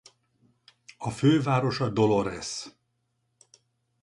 A fővárosa Dolores.